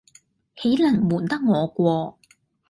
豈能瞞得我過。